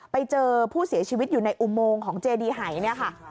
ไปเจอผู้เสียชีวิตอยู่ในอุโมงของเจดีหายเนี่ยค่ะ